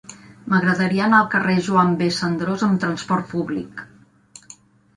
M'agradaria anar al carrer de Joan B. Cendrós amb trasport públic.